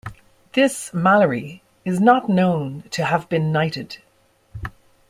This Malory is not known to have been knighted.